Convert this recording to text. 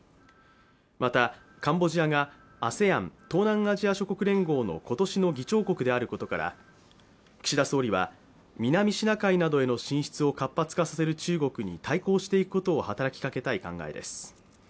またカンボジアがＡＳＥＡＮ＝東南アジア諸国連合の今年の議長国であることから、岸田総理は、南シナ海などへの進出を活発化させる中国に対抗していくことを働きかけたい考えです。